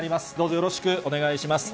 よろしくお願いします。